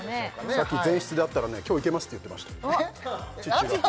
さっき前室で会ったらね今日いけますって言ってましたえっ？